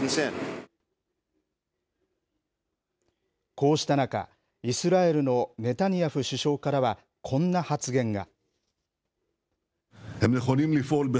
こうした中、イスラエルのネタニヤフ首相からはこんな発言が。